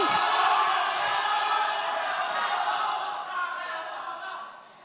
terima kasih pak prabowo